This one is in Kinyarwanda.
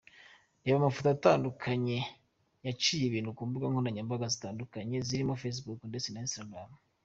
Reba amafoto atandukanye yyaciye ibintu ku mbuga nkoranyambaga zitandukanye zirimo Facebook , ndetse na Instagram .